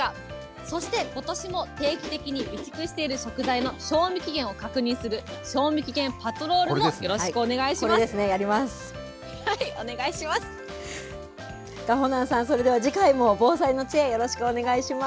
そして、ことしも定期的に備蓄している食材の賞味期限を確認する、賞味期限パトロールもよろしくお願いします。